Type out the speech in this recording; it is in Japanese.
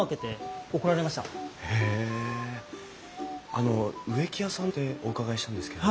あの植木屋さんってお伺いしたんですけど。